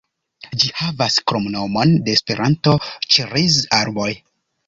Ĝi havas kromnomon de Esperanto, "Ĉeriz-arboj".